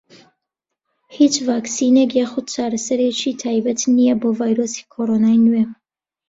هیچ ڤاکسینێک یاخود چارەسەرێکی تایبەت نییە بۆ ڤایرۆسی کۆرۆنای نوێ.